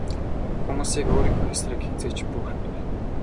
Хүмүүсийг өөрийнхөө эсрэг хэзээ ч бүү хандуул.